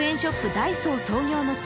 ダイソー創業の地